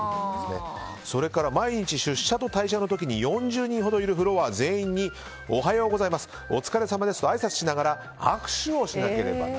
それから、毎日出社と退社の時に４０人ほどいるフロア全員におはようございますお疲れさまですとあいさつしながら握手しないといけない。